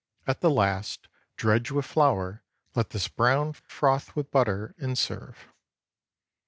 At the last, dredge with flour, let this brown, froth with butter, and serve.